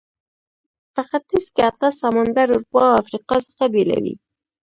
په ختیځ کې اطلس سمندر اروپا او افریقا څخه بیلوي.